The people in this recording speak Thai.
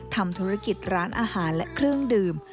ทำธุรกิจร้านอาหารและเครื่องดื่ม